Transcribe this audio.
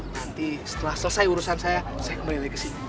nanti setelah selesai urusan saya saya kembali lagi kesini